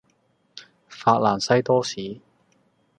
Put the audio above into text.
法蘭西多士